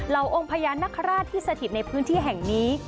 องค์พญานาคาราชที่สถิตในพื้นที่แห่งนี้